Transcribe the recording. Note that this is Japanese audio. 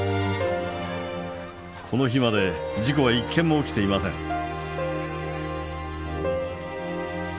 この日まで事故は１件も起きていません。